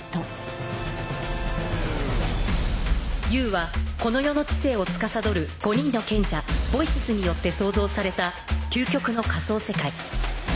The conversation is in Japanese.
Ｕ はこの世の知性をつかさどる５人の賢者 Ｖｏｉｃｅｓ によって創造された究極の仮想世界。